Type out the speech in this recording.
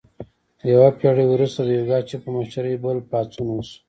یوه پیړۍ وروسته د یوګاچف په مشرۍ بل پاڅون وشو.